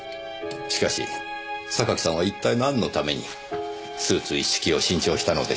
しかし榊さんは一体何のためにスーツ一式を新調したのでしょうねえ。